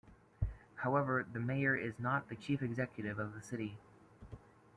However, the mayor is not the chief executive of the city.